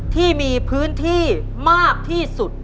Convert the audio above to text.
คุณยายแจ้วเลือกตอบจังหวัดนครราชสีมานะครับ